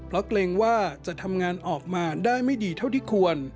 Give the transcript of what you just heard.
เพราะเกรงว่าจะทำงานออกมาได้ไม่ดีเท่าที่ควร